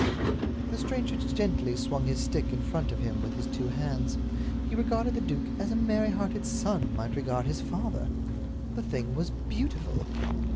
The stranger gently swung his stick in front of him with his two hands. He regarded the duke as a merry hearted son might regard his father. The thing was beautiful!